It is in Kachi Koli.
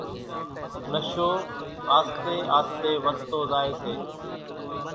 نشو آستي آستي وڌتو زائي سي،